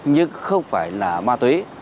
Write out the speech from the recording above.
nhưng không phải là ma túy